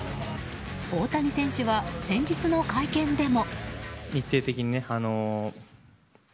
大谷選手は先日の会見でも。